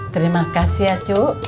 terima kasih ya cu